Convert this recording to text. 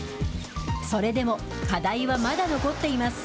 それでも課題はまだ残っています。